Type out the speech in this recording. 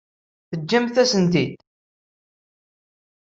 Teǧǧamt-asent-ten-id.